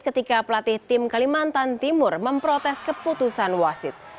ketika pelatih tim kalimantan timur memprotes keputusan wasit